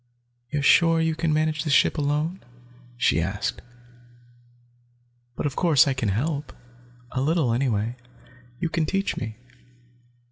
"You're sure you can manage the ship alone?" she asked. "But of course, I can help, a little anyway. You can teach me."